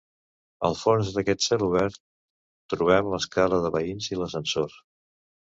Al fons d'aquest celobert trobem l'escala de veïns i l'ascensor.